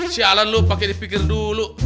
sialan lu pake dipikir dulu